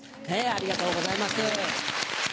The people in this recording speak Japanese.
ありがとうございます。